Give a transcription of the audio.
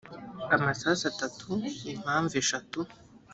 amasasu atatu impamvu eshatu